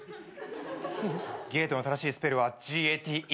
「ゲート」の正しいスペルはＧＡＴＥ。